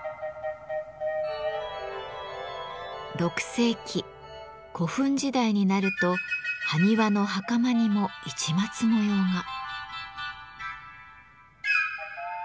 ６世紀古墳時代になると埴輪の袴にも市松模様が。